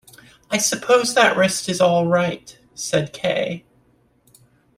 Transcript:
"I suppose that wrist is all right," said K..